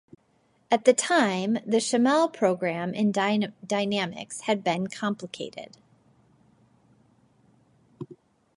By that time the Smale program in dynamics had been completed.